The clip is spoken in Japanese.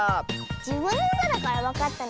じぶんのうただからわかったのかもね。